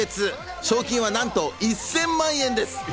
賞金はなんと１０００万円です。